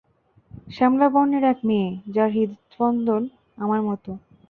শ্যামলা বর্ণের এক মেয়ে, যার হৃৎস্পন্দন আমার মতো।